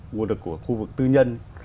nguồn lực của khu vực tư nhân